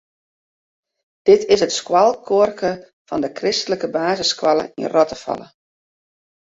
Dit is it skoalkoarke fan de kristlike basisskoalle yn Rottefalle.